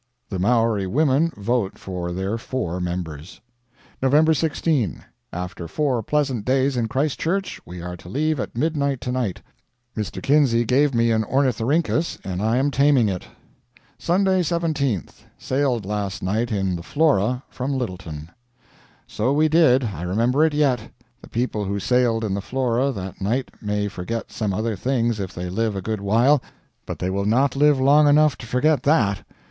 The Maori women vote for their four members. November 16. After four pleasant days in Christchurch, we are to leave at midnight to night. Mr. Kinsey gave me an ornithorhynchus, and I am taming it. Sunday, 17th. Sailed last night in the Flora, from Lyttelton. So we did. I remember it yet. The people who sailed in the Flora that night may forget some other things if they live a good while, but they will not live long enough to forget that.